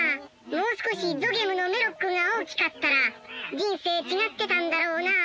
もう少しゾゲムのメロックが大きかったら人生違ってたんだろうなあ。